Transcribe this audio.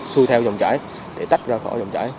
xui theo dòng trải để tách ra khỏi dòng trải